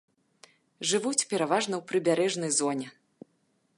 Жывуць пераважна ў прыбярэжнай зоне.